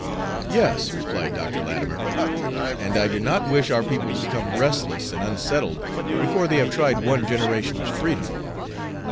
"Yes," replied Dr. Latimer, "and I do not wish our people to become restless and unsettled before they have tried one generation of freedom."